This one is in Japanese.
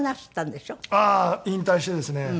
ああ引退してですね。